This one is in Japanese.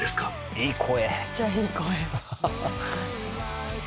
いい声。